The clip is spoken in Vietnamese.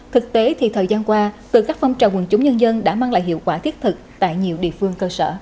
thực tế thì thời gian qua từ các phong trào quần chúng nhân dân đã mang lại hiệu quả thiết thực tại nhiều địa phương cơ sở